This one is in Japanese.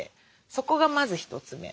そこがまず１つ目。